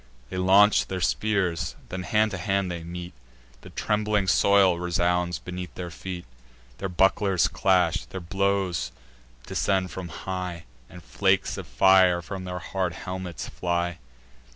They launch their spears; then hand to hand they meet; The trembling soil resounds beneath their feet: Their bucklers clash; thick blows descend from high, And flakes of fire from their hard helmets fly.